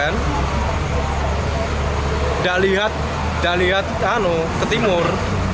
nggak lihat ke timur